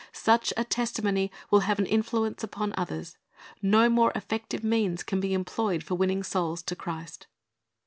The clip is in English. Such a testimony will have an influence upon others. No more effective means can be employed for winning souls to Christ.